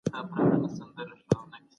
د انټي باډي ټیسټونه توپیر لري.